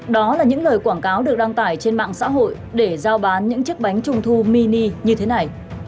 đó là những lời quảng cáo được đăng tải trên mạng xã hội để giao bán những chiếc bánh trung thu mini như thế này